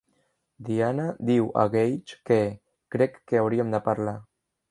Diana diu a Gage que "crec que hauríem de parlar".